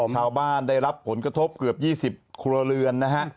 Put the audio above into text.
ได้รับผลกระทบเกือบ๒๐ครัวเรือนนะฮะ